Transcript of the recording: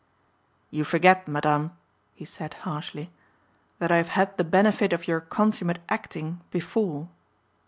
"You forget, Madame," he said harshly, "that I have had the benefit of your consummate acting before."